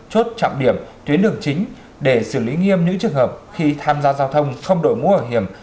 chốt trọng điểm tuyến đường chính để xử lý nghiêm những trường hợp khi tham gia giao thông không đổi mũ bảo hiểm